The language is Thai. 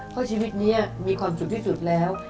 เวลาฝั่งมือพวกนี้อ่ะมีความสุขที่สุดแล้ว